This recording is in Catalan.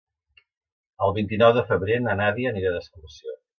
El vint-i-nou de febrer na Nàdia anirà d'excursió.